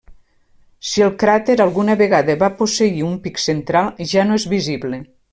Si el cràter alguna vegada va posseir un pic central, ja no és visible.